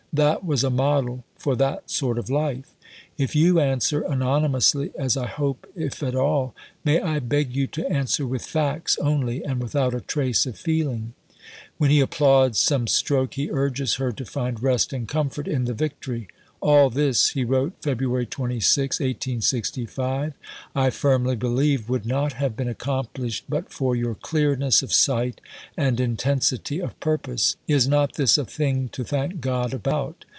That was a model for that sort of life.) If you answer (anonymously, as I hope, if at all), may I beg you to answer with facts only and without a trace of feeling?" When he applauds some stroke, he urges her to find rest and comfort in the victory. "All this," he wrote (Feb. 26, 1865), "I firmly believe would not have been accomplished but for your clearness of sight and intensity of purpose. Is not this a thing to thank God about?